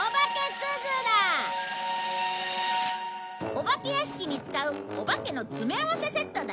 お化け屋敷に使うお化けの詰め合わせセットだよ！